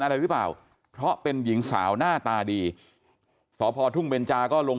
อะไรหรือเปล่าเพราะเป็นหญิงสาวหน้าตาดีสพทุ่งเบนจาก็ลง